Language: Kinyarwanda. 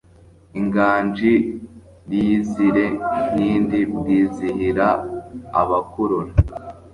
Inganji Iyizire Nkindi Bwizihira abakurora